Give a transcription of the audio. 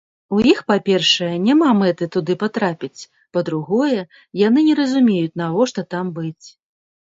У іх, па-першае, няма мэты туды патрапіць, па-другое, яны не разумеюць, навошта там быць.